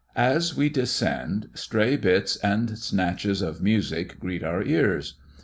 As we descend, stray bits and snatches of music greet our ears.